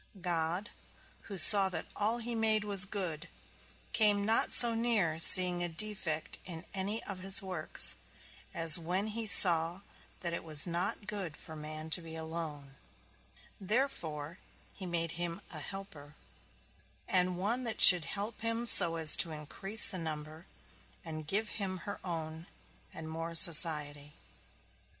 God, who saw that all that he made was good, came not so near seeing a defect in any of his works, as when he saw that it was not good for man to be alone, therefore he made him a helper; and one that should help him so as to increase the number, and give him her own, and more society.